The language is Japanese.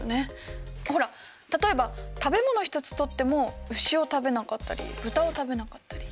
ほら例えば食べ物一つとっても牛を食べなかったり豚を食べなかったり。